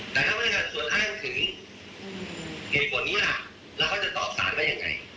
แต่ถ้าพนักงานส่วนอ้างถึงเหตุผลนี้ล่ะแล้วเขาจะตอบสารว่ายังไง